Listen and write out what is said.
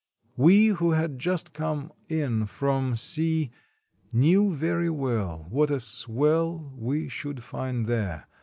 We who had just come in from sea knew very well what a swell we should find there.